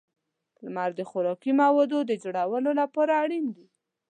• لمر د خوراکي موادو د جوړولو لپاره اړین دی.